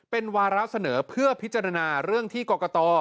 เป็นวาระเสนอเพื่อพิจารณาเรื่องที่กรกต